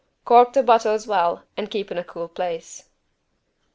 Cork the bottles well and keep in a cool place.